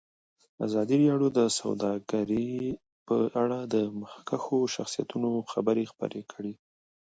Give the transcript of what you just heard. ازادي راډیو د سوداګري په اړه د مخکښو شخصیتونو خبرې خپرې کړي.